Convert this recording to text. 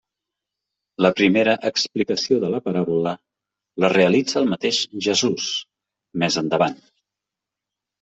La primera explicació de la paràbola la realitza el mateix Jesús més endavant.